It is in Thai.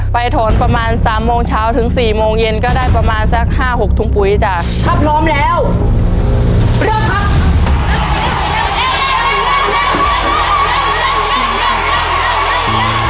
โถนประมาณสามโมงเช้าถึง๔โมงเย็นก็ได้ประมาณสักห้าหกถุงปุ๋ยจ้ะถ้าพร้อมแล้วเริ่มครับ